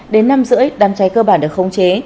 đến năm h ba mươi đám cháy cơ bản được khống chế